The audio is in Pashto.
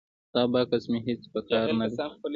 ستا بکس مې هیڅ په کار نه دی.